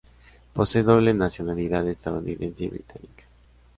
Posee doble nacionalidad estadounidense y británica.